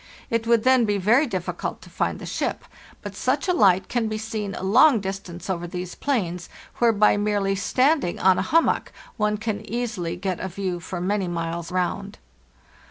It would then be very difficult to find the ship; but such a hght can be seen a long distance over these plains, where by merely standing on a hum mock one can easily get a view for many miles round.